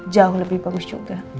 jauh lebih bagus juga